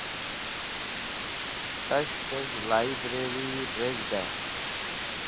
Sashtev Librari Reg̃hde